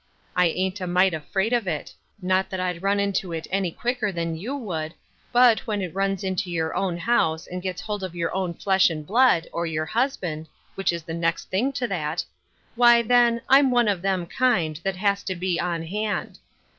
I ain't a mite afraid of it ; not that I'd run into it any quicker than you would, but, when it runs into your own house, and gets hold of your own flesh and blood, or your husband — which is the next thing to that — why, then, I'm one of them kind The Cross of Helplessness. 185 that has to be on hand.